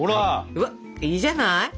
うわっいいじゃない？